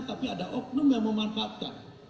tapi ada oknum yang memanfaatkan